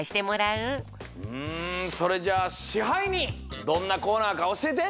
うんそれじゃあ支配人どんなコーナーかおしえて！